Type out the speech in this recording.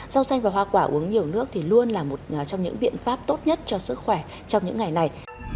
rau xanh và hoa quả uống nhiều nước thì luôn là một trong những biện pháp tốt nhất cho sức khỏe trong những ngày này